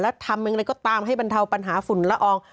แล้วทำอย่างไรก็ตามให้บรรเทาปัญหาฝุ่นละออง